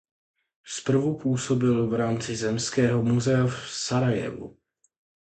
Zprvu působil v rámci Zemského muzea v Sarajevu.